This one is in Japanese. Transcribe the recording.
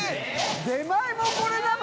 出前もこれなの？